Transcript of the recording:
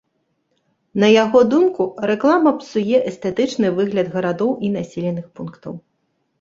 На яго думку, рэклама псуе эстэтычны выгляд гарадоў і населеных пунктаў.